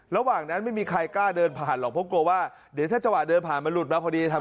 ระหว่างนั้นไม่มีใครกล้าเดินผ่านหรอกเพราะกลัวว่าเดี๋ยวถ้าจังหวะเดินผ่านมันหลุดมาพอดีทำ